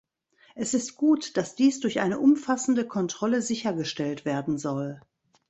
Es ist gut, dass dies durch eine umfassende Kontrolle sichergestellt werden soll.